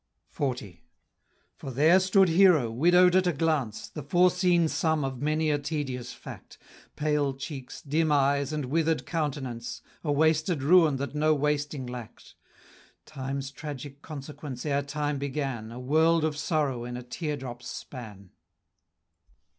XL. For there stood Hero, widow'd at a glance, The foreseen sum of many a tedious fact, Pale cheeks, dim eyes, and wither'd countenance, A wasted ruin that no wasting lack'd; Time's tragic consequents ere time began, A world of sorrow in a tear drop's span.